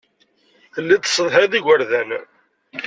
Telliḍ tessedhayeḍ igerdan.